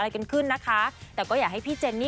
กันขึ้นนะคะแต่ก็อยากให้พี่เจนนี่